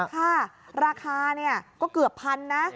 ค่ะราคาก็เกือบพันนะ